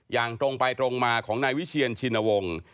อย่างตรงไปตรงมาของนายวิเชียนชินวงศ์